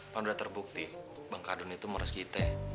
kalau udah terbukti bang kardun itu meros kita